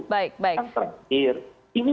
dan terakhir ini